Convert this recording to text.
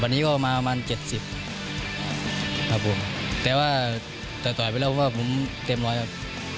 วันนี้ก็มาประมาณเจ็ดสิบครับผมแต่ว่าต่อยไปแล้วว่าผมเต็มร้อยครับ